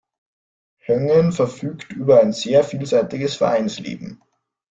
Hoengen verfügt über ein sehr vielseitiges Vereinsleben.